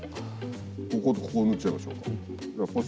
こことここ縫っちゃいましょうか？